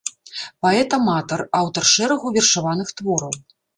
Паэт-аматар, аўтар шэрагу вершаваных твораў.